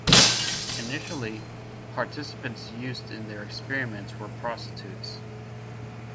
Initially, participants used in their experiments were prostitutes.